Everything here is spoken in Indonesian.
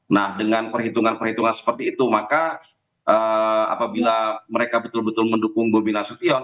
nah dengan perhitungan perhitungan seperti itu maka apabila mereka betul betul mendukung bobi nasution